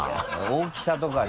大きさとかね。